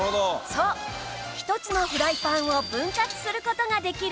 そう一つのフライパンを分割する事ができるんです